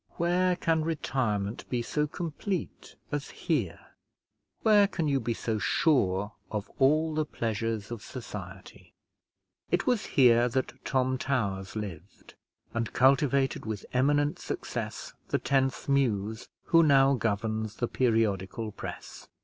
Where can retirement be so complete as here? where can you be so sure of all the pleasures of society? It was here that Tom Towers lived, and cultivated with eminent success the tenth Muse who now governs the periodical press.